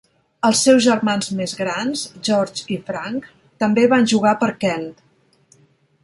Els seus germans més grans, George i Frank, també van jugar per Kent.